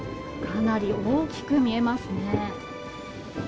かなり大きく見えますね。